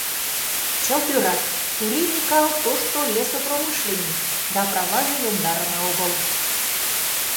Чылт ӧрат: Кури Микал — тошто лесопромышленник, да праваже йомдарыме огыл.